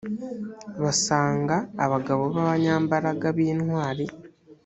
basanga abagabo b abanyambaraga b intwari